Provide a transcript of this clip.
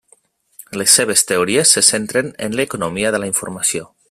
Les seves teories se centren en l'Economia de la informació.